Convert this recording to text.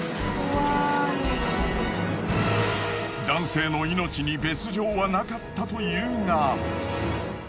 男性の命に別状はなかったというが。